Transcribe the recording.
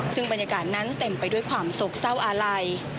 ซึ่งบรรยากาศนั้นเต็มไปด้วยความโศกเศร้าอาลัย